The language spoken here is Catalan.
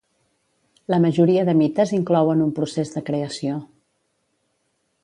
La majoria de mites inclouen un procés de creació.